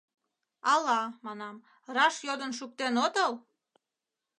Ала, манам, раш йодын шуктен отыл?